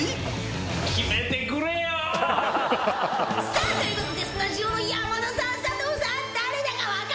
決めてくれよ！ということでスタジオの山田さん佐藤さん！